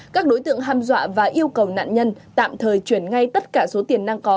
các đối tượng ham dọa và yêu cầu nạn nhân tạm thời chuyển ngay tất cả số tiền đang có